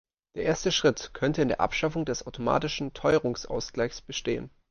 Der erste Schritt könnte in der Abschaffung des automatischen Teuerungsausgleichs bestehen.